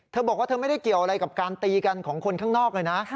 เธอบอกว่าเธอไม่ได้เกี่ยวอะไรกับการตีกันของคนข้างนอกเลยนะ